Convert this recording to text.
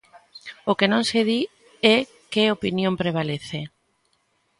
O que non se di é que opinión prevalece.